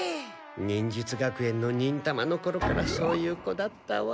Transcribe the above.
忍術学園の忍たまのころからそういう子だったわ。